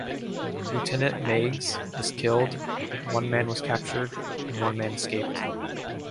Lieutenant Meigs was killed, one man was captured, and one man escaped.